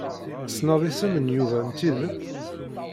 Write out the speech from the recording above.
Tessneḍ isem n Yuba n tidet?